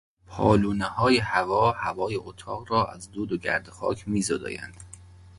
پالونههای هوا هوای اتاق را از دود و گرد و خاک میزدایند.